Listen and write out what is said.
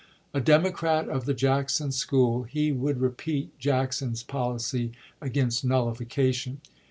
A Democrat of the Jackson school, he would repeat Jackson's policy against nullification.